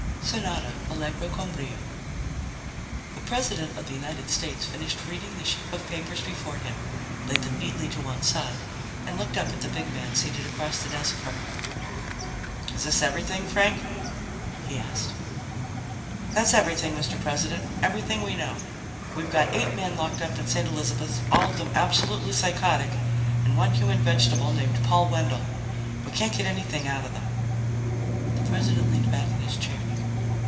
SONATA ALLEGRO CON BRIO The President of the United States finished reading the sheaf of papers before him, laid them neatly to one side, and looked up at the big man seated across the desk from him. "Is this everything, Frank?" he asked. "That's everything, Mr. President; everything we know. We've got eight men locked up in St. Elizabeth's, all of them absolutely psychotic, and one human vegetable named Paul Wendell. We can't get anything out of them." The President leaned back in his chair.